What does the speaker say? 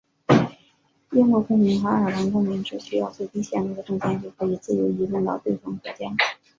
英国公民和爱尔兰公民只需要最低限度的证件就可以自由移动到对方国家。